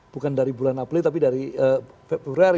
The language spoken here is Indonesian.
bukan dari bulan april tapi dari februari